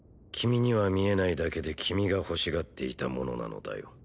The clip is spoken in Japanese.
君には見えないだけで君が欲しがっていたものなのだよ